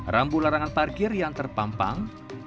rambu larangan parkir yang terpampang